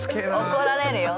怒られるよ。